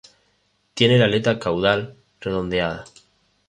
Tiene la aleta caudal redondeada.